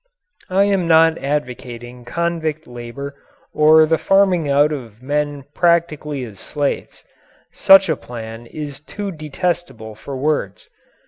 I am not advocating convict labour or the farming out of men practically as slaves. Such a plan is too detestable for words.